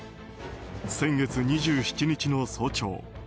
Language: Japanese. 先月２７日の早朝。